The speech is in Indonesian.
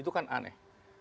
itu kan aneh